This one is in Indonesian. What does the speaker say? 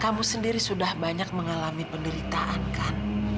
kamu sendiri sudah banyak mengalami penderitaan kan